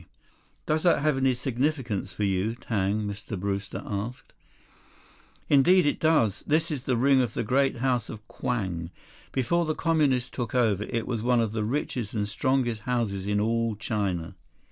'" "Does that have any significance for you, Tang?" Mr. Brewster asked. "Indeed it does. This is the ring of the great House of Kwang. Before the Communists took over, it was one of the richest and strongest houses in all China.